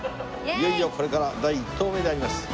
いよいよこれから第１投目であります。